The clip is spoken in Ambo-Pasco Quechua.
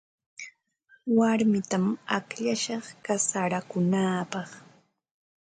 Warmitam akllashaq kasarakunaapaq.